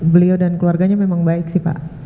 beliau dan keluarganya memang baik sih pak